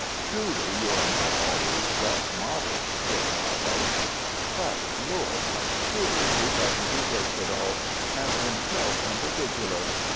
"Truly you are not always thus modest, Kit Marlowe " "But, Lord, how seriously Pevensey takes it all! and himself in particular!